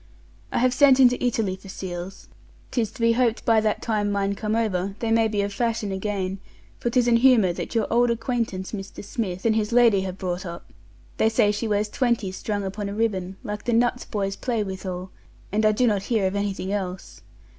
I have sent into Italy for seals; 'tis to be hoped by that time mine come over, they may be of fashion again, for 'tis an humour that your old acquaintance Mr. Smith and his lady have brought up; they say she wears twenty strung upon a ribbon, like the nuts boys play withal, and I do not hear of anything else.